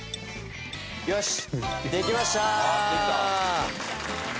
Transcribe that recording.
よしできました！